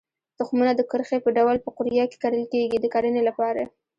تخمونه د کرښې په ډول په قوریه کې کرل کېږي د کرنې لپاره.